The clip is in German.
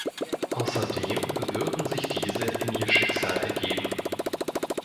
Außerdem würden sich diese „in ihr Schicksal ergeben“.